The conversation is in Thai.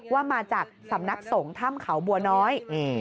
ว่ามาจากสำนักสงฆ์ถ้ำเขาบัวน้อย